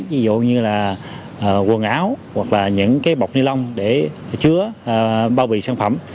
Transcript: ví dụ như là quần áo hoặc là những cái bọc nilon để chứa bao bì sản phẩm